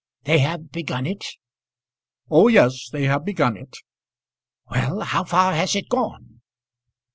"They have begun it?" "Oh, yes! they have begun it." "Well, how far has it gone?"